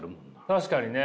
確かにね！